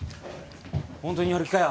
本当にやる気かよ？